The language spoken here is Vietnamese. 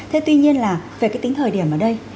thế tuy nhiên là về cái tính thời điểm ở đây